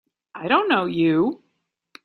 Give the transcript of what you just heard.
I don't know you!